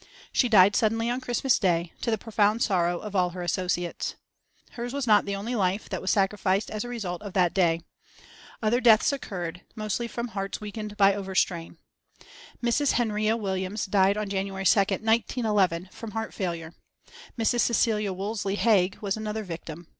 She died suddenly on Christmas day, to the profound sorrow of all her associates. Hers was not the only life that was sacrificed as a result of that day. Other deaths occurred, mostly from hearts weakened by overstrain. Miss Henria Williams died on January 2nd, 1911, from heart failure. Miss Cecelia Wolseley Haig was another victim.